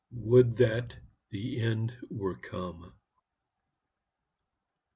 Would that the end were come!"